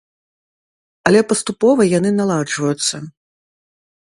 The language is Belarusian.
Але паступова яны наладжваюцца.